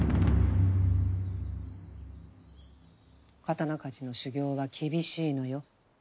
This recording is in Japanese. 刀鍛冶の修行は厳しいのよ。